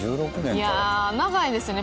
いや長いですね